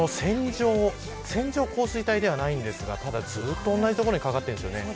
この線状降水帯ではないんですがただ、ずっと同じ所にかかっているんですよね。